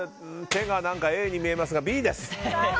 手が何かＡに見えますが、Ｂです。